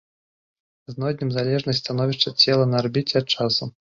Знойдзем залежнасць становішча цела на арбіце ад часу.